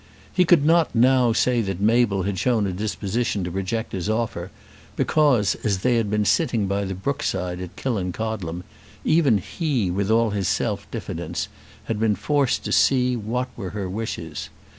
He could not now say that Mabel had shown a disposition to reject his offer, because as they had been sitting by the brookside at Killancodlem, even he, with all his self diffidence, had been forced to see what were her wishes.